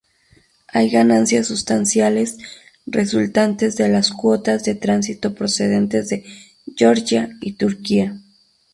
Hay ganancias sustanciales resultantes de las cuotas de tránsito procedentes de Georgia y Turquía.